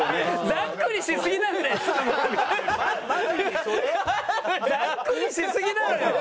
ざっくりしすぎなのよ。